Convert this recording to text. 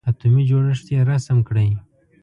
اتومي جوړښت یې رسم کړئ.